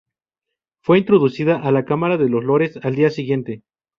Fue introducida a la Cámara de los Lores al día siguiente.